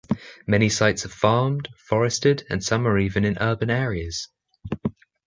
Many sites are farmed, forested and some are even in urban areas.